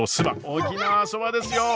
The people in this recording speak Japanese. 沖縄そばですよ！